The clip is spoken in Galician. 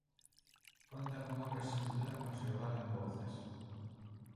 Conta con obra singular conservada en Bouzas.